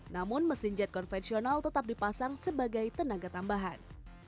namun mesin jet konvensional tetap dipasang sebagai tenaga tambahan